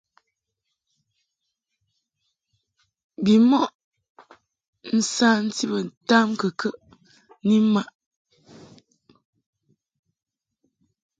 Bimɔʼ nsanti bə tamkɨkəʼ ni mmaʼ.